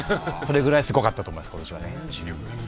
それぐらいすごかったと思います。